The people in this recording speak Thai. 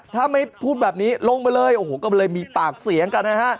ถ้าไม่พูดแบบนี้ลงไปเลยโอ้โหก็เลยมีปากเสียงกันนะฮะ